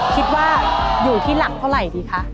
คิดว่าอยู่ที่หลักเท่าไหร่ดีคะ